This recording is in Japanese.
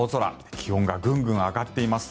気温がぐんぐん上がっています。